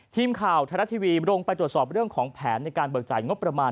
ทีมข่าวไทยรัฐทีวีลงไปตรวจสอบเรื่องของแผนในการเบิกจ่ายงบประมาณ